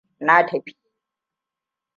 Na tafi.